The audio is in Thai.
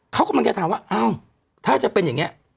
เขากำลังจะถามว่าอ้าวถ้าจะเป็นอย่างนี้